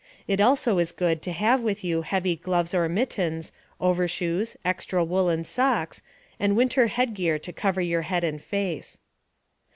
It also is good to have with you heavy gloves or mittens, overshoes, extra woolen socks, and winter headgear to cover your head and face.